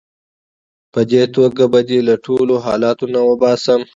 په دې توګه به دې له دې ټولو حالتونو وباسم.